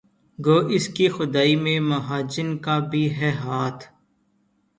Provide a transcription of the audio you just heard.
گو اس کی خدائی میں مہاجن کا بھی ہے ہاتھ